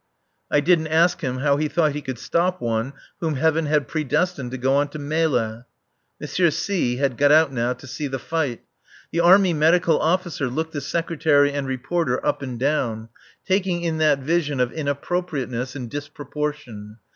I didn't ask him how he thought he could stop one whom Heaven had predestined to go on to Melle. M. C had got out now to see the fight. The Army Medical Officer looked the Secretary and Reporter up and down, taking in that vision of inappropriateness and disproportion.